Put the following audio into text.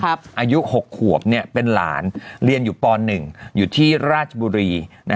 อายุ๖ขวบเป็นหลานเรียนอยู่ป๑อยู่ที่ราชบุรี